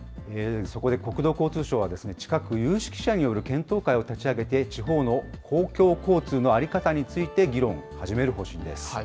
そこで国土交通省は、近く、有識者による検討会を立ち上げて、地方の公共交通の在り方について議論を始める方針です。